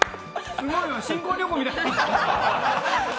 すごいな、新婚旅行みたい。